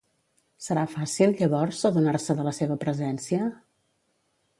Serà fàcil, llavors, adonar-se de la seva presència?